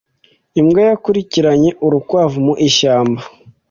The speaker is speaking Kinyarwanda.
Imbwa yakurikiranye urukwavu mu ishyamba.